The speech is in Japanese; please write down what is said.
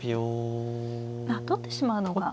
取ってしまうのが。